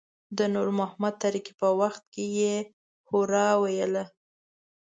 د نور محمد تره کي په وخت کې يې هورا ویله.